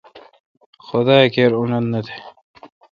خدا اکیر اونتھ نہ تھ۔